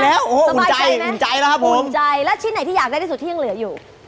แล้วชิ้นไหนที่อยากได้ที่สุดเรียงเรื่อยู่